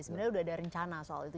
sebenarnya sudah ada rencana soal itu